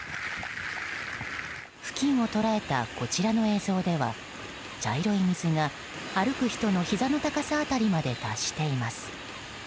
付近を捉えたこちらの映像では茶色い水が歩く人のひざの高さ辺りまで達しています。